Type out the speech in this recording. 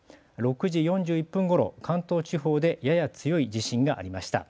６時４１分ごろ関東地方でやや強い地震がありました。